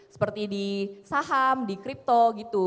seperti di saham di crypto gitu